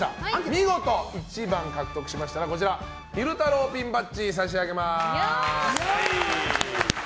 見事１番を獲得しましたら昼太郎ピンバッジを差し上げます。